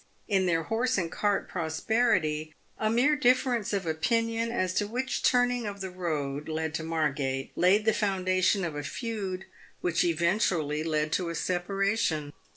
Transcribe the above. in their horse and cart prosperity, a mere difference of opinion as to which turning of the road led to Margate laid the foundation of a feud which eventually led to a separation.